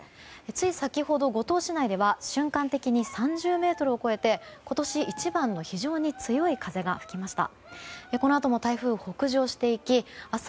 つい先ほど、五島市内では瞬間的に３０メートルを超えて今年一番の非常に強い風が吹きました。